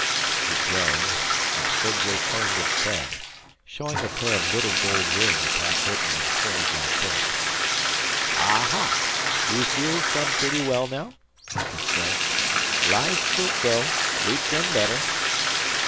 He groaned, and the figure turned its head, showing a pair of little gold rings half hidden in curly black hair. "Aha! You feel some pretty well now?" it said. "Lie still so: we trim better."